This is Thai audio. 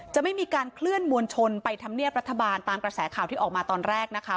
จะไม่มีการเคลื่อนมวลชนไปทำเนียบรัฐบาลตามกระแสข่าวที่ออกมาตอนแรกนะคะ